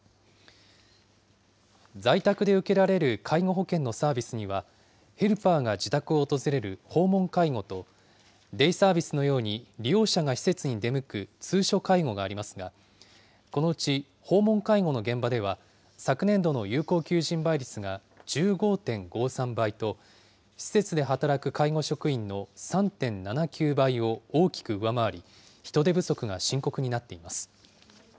在宅で受けられる介護保険のサービスには、ヘルパーが自宅を訪れる訪問介護と、デイサービスのように利用者が施設に出向く通所介護がありますが、このうち訪問介護の現場では、昨年度の有効求人倍率が１５．５３倍と、施設で働く介護職員の３．７９倍を大きく上回り、人手不足が深刻になっています。